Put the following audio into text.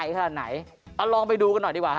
กันไปดูกับหน่อยดีกว่า